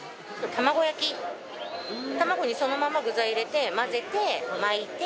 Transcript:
卵にそのまま具材入れて混ぜて巻いて。